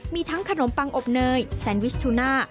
มีทั้งขนมปังอบเนยแซนวิชทูน่า